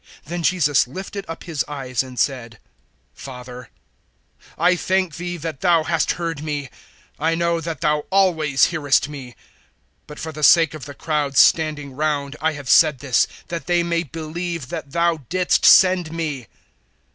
Then Jesus lifted up His eyes and said, "Father, I thank Thee that Thou hast heard me. 011:042 I know that Thou always hearest me; but for the sake of the crowd standing round I have said this that they may believe that Thou didst send me."